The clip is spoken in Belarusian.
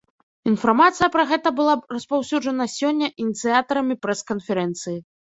Інфармацыя пра гэта была распаўсюджана сёння ініцыятарамі прэс-канферэнцыі.